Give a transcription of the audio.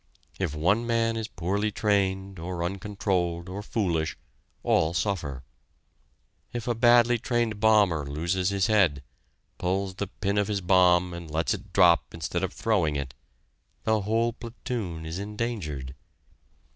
If one man is poorly trained, or uncontrolled, or foolish, all suffer. If a badly trained bomber loses his head, pulls the pin of his bomb, and lets it drop instead of throwing it, the whole platoon is endangered.